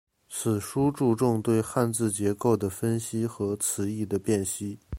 此书注重对汉字结构的分析和词义的辨析。